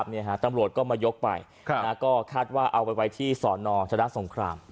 เราก็ยกไปก็คาดว่าเอาไว้ที่สอนนอชนะสงคราม